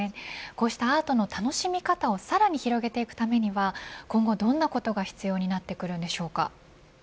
こうしたアートの楽しみ方をさらに広げていくためには今後どんなことが必要になってくるんでしょうか。